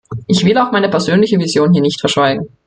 Ich will auch meine persönliche Vision hier nicht verschweigen.